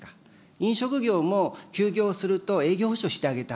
飲食業も、休業すると、営業補償してあげた。